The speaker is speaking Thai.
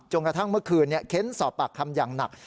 กระทั่งเมื่อคืนเค้นสอบปากคำอย่างหนัก